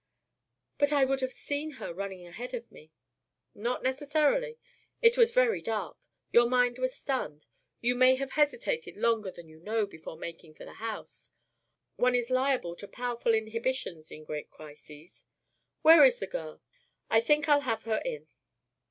"But I would have seen her running ahead of me." "Not necessarily. It was very dark. Your mind was stunned. You may have hesitated longer than you know before making for the house. One is liable to powerful inhibitions in great crises. Where is the girl? I think I'll have her in."